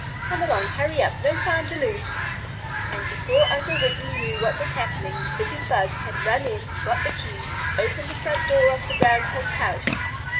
Come along, hurry up, no time to lose!" And before Uncle Wiggily knew what was happening the busy bug had run in, got the keys, opened the front door of the groundhog's house.